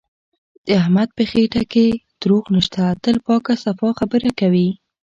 د احمد په خټه کې دروغ نشته، تل پاکه صفا خبره کوي.